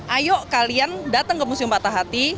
ayo kalian datang ke museum patah hati